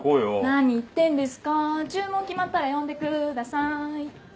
何言ってんですか注文決まったら呼んでください。